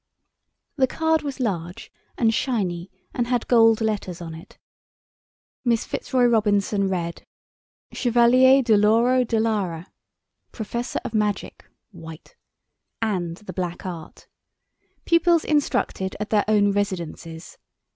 The card was large and shiny and had gold letters on it. Miss Fitzroy Robinson read:— Chevalier Doloro De Lara Professor of Magic (white) and the Black Art. Pupils instructed at their own residences.